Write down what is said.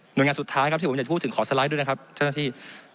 โดยงานสุดท้ายครับที่ผมจะพูดถึงขอสไลด์ด้วยนะครับเจ้าหน้าที่